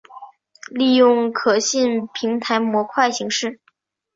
利用可信平台模块形式。